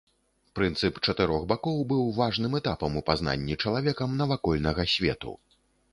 Прынцып чатырох бакоў быў важным этапам у пазнанні чалавекам навакольнага свету.